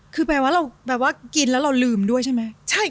คือแปลว่ากินแล้วเราลืมด้วยใช่มั้ย